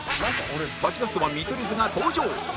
８月は見取り図が登場